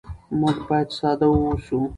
موږ باید ساده واوسو.